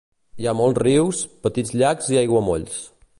Hi ha molts rius, petits llacs i aiguamolls.